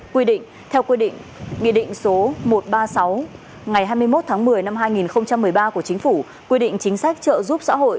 quy định theo quy định nghị định số một trăm ba mươi sáu ngày hai mươi một tháng một mươi năm hai nghìn một mươi ba của chính phủ quy định chính sách trợ giúp xã hội